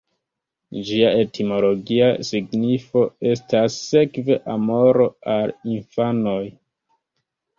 Ĝia etimologia signifo estas sekve 'amoro al infanoj'.